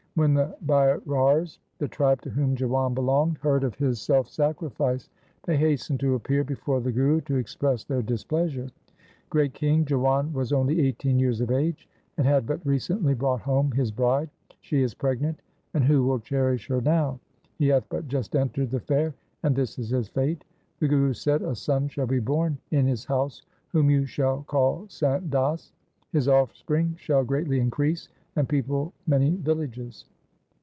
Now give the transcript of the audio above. When the Bairars, the tribe to whom Jiwan belonged, heard of his self sacrifice, they hastened to appear before the Guru to express their displeasure —' Great king, Jiwan was only eighteen years of age, and had but recently brought home his bride. She is pregnant, and who will cherish her now ? He hath but just entered the fair, and this is his fate.' The Guru said, ' A son shall be born in his house whom you shall call Sant Das. His offspring shall greatly increase and people many villages.'